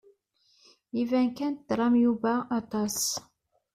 Iban kan tram Yuba aṭas.